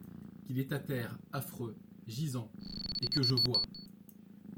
Qu'il est à terre, affreux, gisant, et que je vois